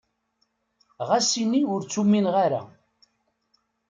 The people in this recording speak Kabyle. Ɣas ini ur t-umineɣ ara.